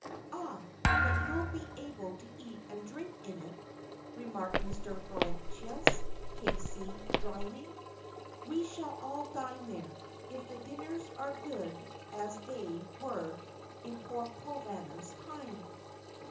"Ah, but you'll be able to eat and drink in it," remarked Mr. Hortentius, K.C., dryly. "We shall all dine there, if the dinners are as good as they were in poor Provana's time."